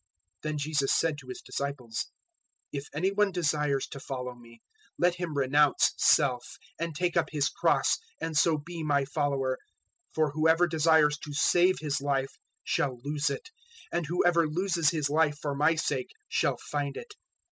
016:024 Then Jesus said to His disciples, "If any one desires to follow me, let him renounce self and take up his cross, and so be my follower. 016:025 For whoever desires to save his life shall lose it, and whoever loses his life for my sake shall find it.